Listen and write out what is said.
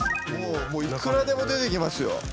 もういくらでも出てきますよ。